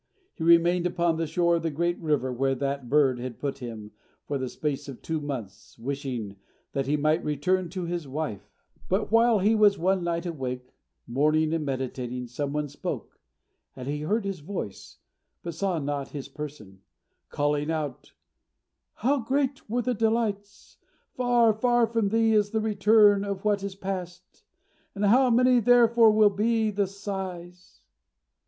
He remained upon the shore of the great river, where that bird had put him, for the space of two months, wishing that he might return to his wife; but while he was one night awake, mourning and meditating, some one spoke (and he heard his voice, but saw not his person), calling out, "How great were the delights! Far, far from thee is the return of what is passed! And how many therefore will be the sighs!"